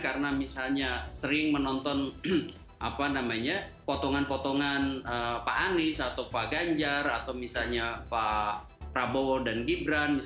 karena misalnya sering menonton potongan potongan pak anies atau pak ganjar atau misalnya pak prabowo dan gibran